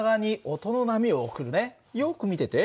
よく見てて。